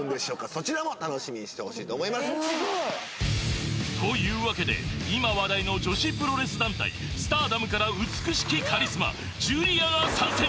そちらも楽しみにしてほしいと思いますというわけで今話題の女子プロレス団体スターダムから美しきカリスマジュリアが参戦